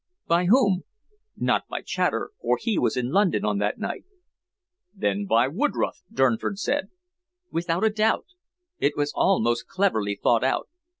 "By whom?" "Not by Chater, for he was in London on that night." "Then by Woodroffe?" Durnford said. "Without a doubt. It was all most cleverly thought out.